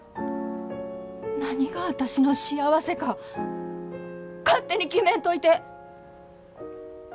何が私の幸せか勝手に決めんといて！